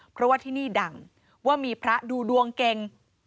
เพราะว่าที่นี่ดังว่ามีพระดูดวงเก่ง